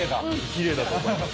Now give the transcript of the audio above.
きれいだと思います。